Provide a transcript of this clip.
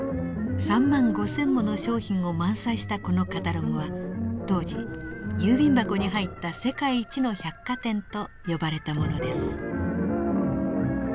３万５，０００もの商品を満載したこのカタログは当時郵便箱に入った世界一の百貨店と呼ばれたものです。